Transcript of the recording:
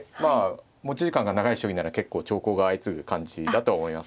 持ち時間が長い将棋なら結構長考が相次ぐ感じだと思いますね。